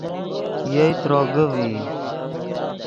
یئے تروگے ڤئی